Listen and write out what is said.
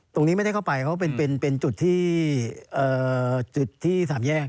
ตรงนี้ไม่ได้เข้าไปเพราะเป็นจุดที่จุดที่๓แยก